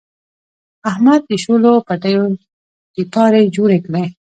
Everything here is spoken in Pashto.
احمد د شولو پټیو تپیاري جوړې کړې.